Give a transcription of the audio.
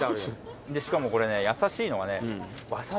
しかもこれね優しいのがね。